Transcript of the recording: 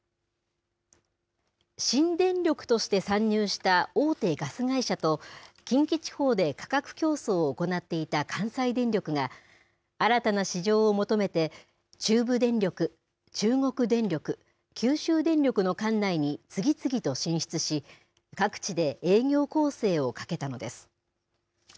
新電力として参入した大手ガス会社と近畿地方で価格競争を行っていた関西電力が、新たな市場を求めて中部電力、中国電力九州電力の管内に次々と進出し各地で営業攻勢をかけたのです。